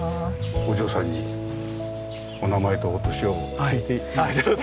お嬢さんにお名前とお年を聞いていいですか？